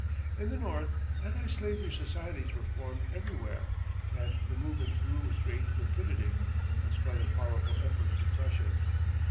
In the north, anti slavery societies were formed everywhere, and the movement grew with great rapidity, in spite of powerful efforts to crush it.